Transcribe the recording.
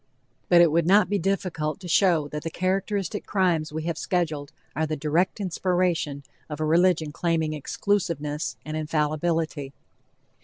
But it would not be difficult to show that the characteristic crimes we have scheduled are the direct inspiration of a religion claiming exclusiveness and infallibility.